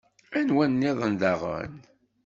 Anwa nniḍen daɣen?